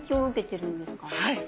はい。